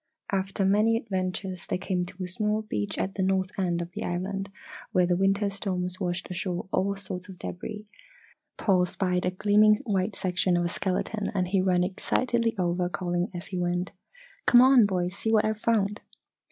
After many adventures they came to a small beach at the north end of the island where the winter storms washed ashore all sorts of debris. Paul spied a gleaming white section of a skeleton and he ran excitedly over calling as he went: "Come on, boys! See what I've found!"